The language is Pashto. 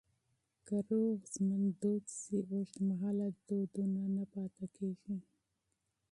که روغ ژوند دود شي، اوږدمهاله دردونه نه پاتې کېږي.